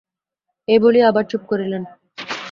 এই বলিয়া আবার চুপ করিলেন।